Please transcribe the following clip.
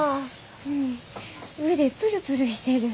うん腕プルプルしてる。